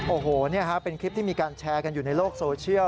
โอ้โหเป็นคลิปที่มีการแชร์กันอยู่ในโลกโซเชียล